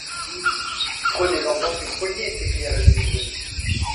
Prenez-en donc une poignée, s’écria la jolie brune.